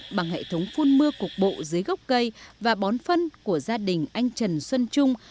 bằng hệ thống phun mưa cục bộ dưới gốc cây và bón phân của gia đình anh trần xuân trung